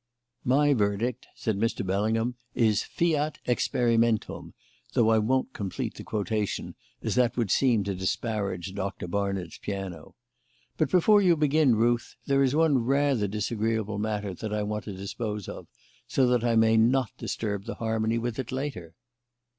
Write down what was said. "My verdict," said Mr. Bellingham, "is fiat experimentum, though I won't complete the quotation, as that would seem to disparage Doctor Barnard's piano. But before you begin, Ruth, there is one rather disagreeable matter that I want to dispose of, so that I may not disturb the harmony with it later."